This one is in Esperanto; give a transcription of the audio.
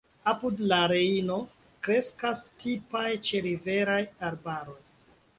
Apud la Rejno kreskas tipaj ĉeriveraj arbaroj.